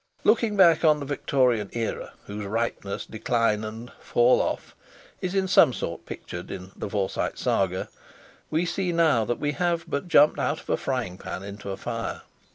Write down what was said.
Looking back on the Victorian era, whose ripeness, decline, and "fall of" is in some sort pictured in "The Forsyte Saga," we see now that we have but jumped out of a frying pan into a fire.